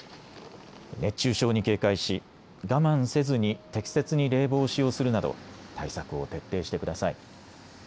熱中症に警戒し我慢せずに適切に冷房を使用するなど対策を徹底してください。